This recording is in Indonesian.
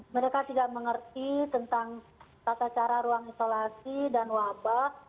mereka tidak mengerti tentang tata cara ruang isolasi dan wabah